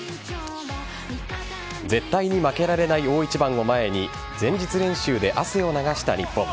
絶対に負けられない大一番を前に前日練習で汗を流した日本。